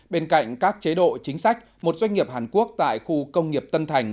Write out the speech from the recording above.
bên cạnh các chế độ chính sách một doanh nghiệp hàn quốc tại khu công nghiệp tân thành